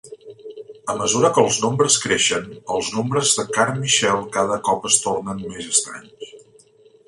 A mesura que els nombres creixen, els nombres de Carmichael cada cop es tornen més estranys.